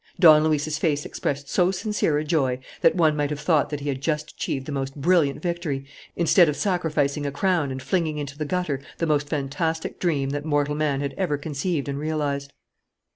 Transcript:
Don Luis's face expressed so sincere a joy that one might have thought that he had just achieved the most brilliant victory instead of sacrificing a crown and flinging into the gutter the most fantastic dream that mortal man had ever conceived and realized.